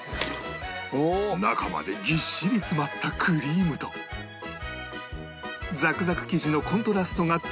中までぎっしり詰まったクリームとザクザク生地のコントラストがたまらない